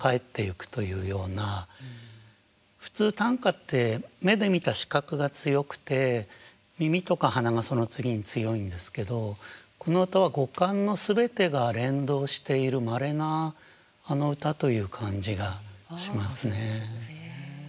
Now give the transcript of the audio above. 普通短歌って目で見た視覚が強くて耳とか鼻がその次に強いんですけどこの歌は五感の全てが連動しているまれな歌という感じがしますね。